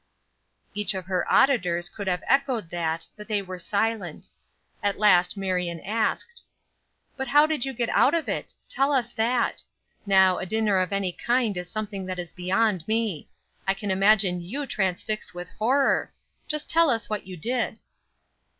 Each of her auditors could have echoed that, but they were silent. At last Marion asked: "But how did you get out of it? Tell us that. Now, a dinner of any kind is something that is beyond me. I can imagine you transfixed with horror. Just tell us what you did."